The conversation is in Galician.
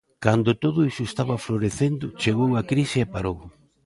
Cando todo iso estaba florecendo, chegou a crise e parou.